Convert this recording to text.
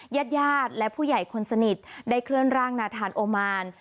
ญาติญาติและผู้ใหญ่คนสนิทได้เคลื่อนร่างนาธานโอมาน